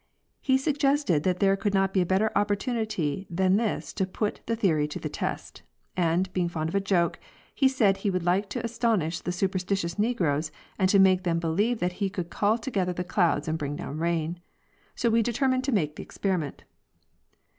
He suggested that there could not be a better opportunity than this to put the theory to the test, and, being fond of a joke, he said he would like to astonish the supersti tious negroes and to make them believe that he could call together the clouds and bring down rain. So we determined to make the experiment.